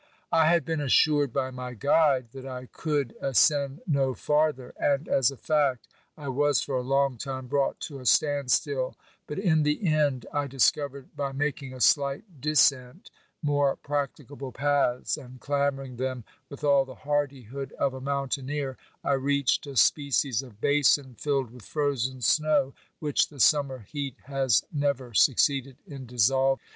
I had been assured by my guide that I could ascend no farther, and, as a fact, I was for a long time brought to a stand still, but in the end I discovered, by making a slight descent, more practicable paths, and clambering them with all the hardihood of a mountaineer, I reached a species of basin filled with frozen snow, which the summer heat has never succeeded in dissolving.